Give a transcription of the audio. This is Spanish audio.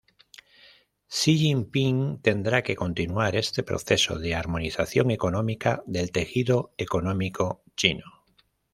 Xi Jinping tendrá que continuar este proceso de armonización económica del tejido económico chino.